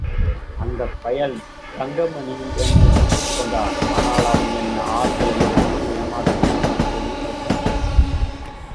அந்தப் பயல் தங்கமணி என்னை முந்திக்கொண்டான்... ஆனால் அவன் என் ஆள்களை எப்படி ஏமாற்றினானோ தெரியவில்லையே!